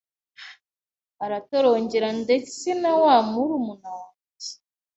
aratorongera ndetse na wa murumuna wanjye